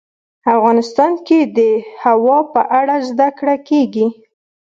افغانستان کې د هوا په اړه زده کړه کېږي.